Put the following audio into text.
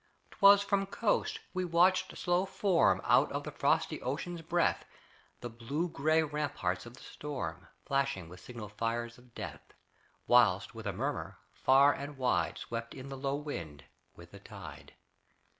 'Twas from coast we watched slow form, Out of the frosty ocean's breath, The blue gray ramparts of the storm Flashing with signal fires of death, Whilst with a murmur, far and wide, Swept in the low wind with the tide.